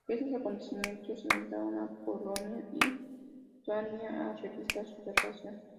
Estos acontecimientos alentaron a Polonia y Lituania a revisar su relación.